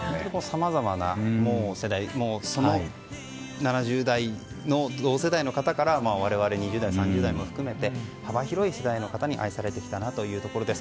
さまざまな世代７０代の同世代の方から我々、２０代、３０代も含めて幅広い世代の方に愛されてきたなというところです。